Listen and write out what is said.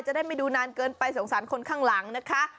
จะได้ไม่ดูนานเกินไปสงสารคนข้างหลังนะคะ